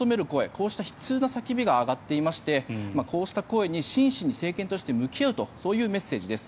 こうした悲痛な叫びが上がっていましてこうした声に真摯に政権として向き合うとそういうメッセージです。